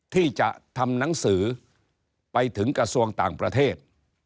ที่จะทำหนังสือไปถึงกระทรวงต่างประเทศ